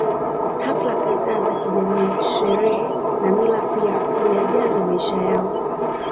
Hafla kadhaa za kijamii sherehe na mila pia huyajaza maisha yao